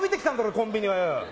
コンビニはよ。